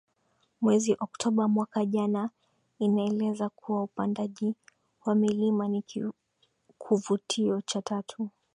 mwezi Oktoba mwaka jana inaeleza kuwa upandaji wa milima ni kuvutio cha tatu